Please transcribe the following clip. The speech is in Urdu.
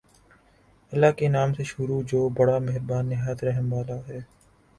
اللہ کے نام سے شروع جو بڑا مہربان نہایت رحم والا ہے